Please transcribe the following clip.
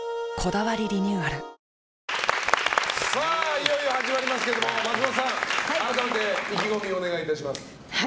いよいよ始まりますけれど松本さん、改めて意気込みをお願いいたします。